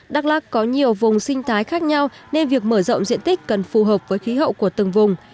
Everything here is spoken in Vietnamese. đắk lắc có nhiều vùng sinh thái khác nhau nên việc mở rộng diện tích cần phù hợp với khí hậu của từng vùng